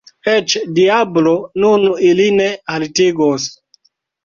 Eĉ diablo nun ilin ne haltigos.